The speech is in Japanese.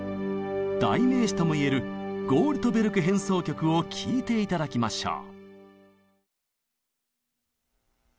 代名詞とも言える「ゴールトベルク変奏曲」を聴いて頂きましょう。